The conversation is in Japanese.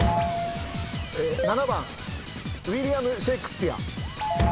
７番ウィリアム・シェイクスピア。